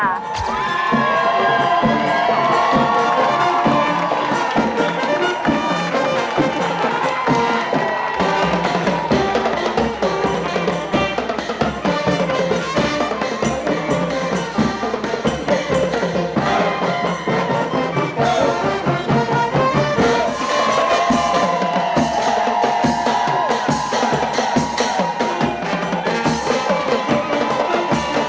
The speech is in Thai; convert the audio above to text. นะครับ